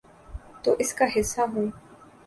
تو اس کا حصہ ہوں۔